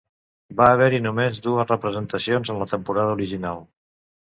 Va haver-hi només dues representacions en la temporada original.